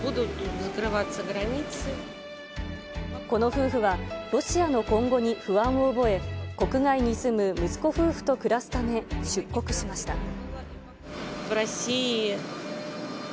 この夫婦はロシアの今後に不安を覚え、国外に住む息子夫婦と暮らすため、出国しました。